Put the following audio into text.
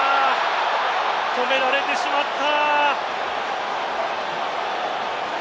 止められてしまった。